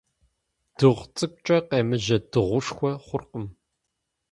Дыгъу цӀыкӀукӀэ къемыжьэ дыгъушхуэ хъуркъым.